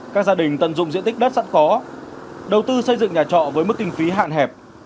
các gia đình tận dụng diện tích đất sẵn có đầu tư xây dựng nhà trọ với mức kinh phí hạn hẹp